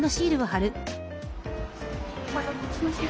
お待たせしました。